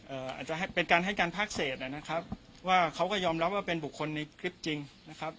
อาจจะเป็นการให้การภาคเศษนะครับว่าเขาก็ยอมรับว่าเป็นบุคคลในคลิปจริงนะครับ